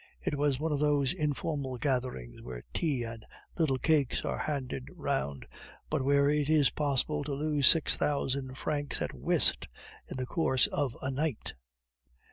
It was one of those informal gatherings where tea and little cakes are handed round, but where it is possible to lose six thousand francs at whist in the course of a night.